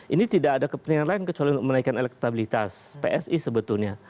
ini tidak ada kepentingan lain kecuali menaikkan elektabilitas psi sebetulnya